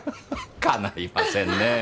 かないませんねぇ。